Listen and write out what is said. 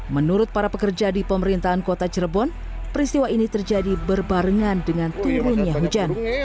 menurut para pekerja di pemerintahan kota cirebon peristiwa ini terjadi berbarengan dengan turunnya hujan